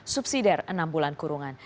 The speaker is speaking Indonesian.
subsidi dari enam bulan kurungan